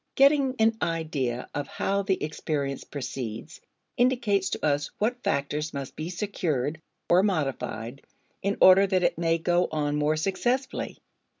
Getting an idea of how the experience proceeds indicates to us what factors must be secured or modified in order that it may go on more successfully.